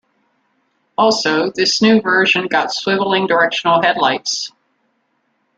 Also, this new version got swivelling directional headlights.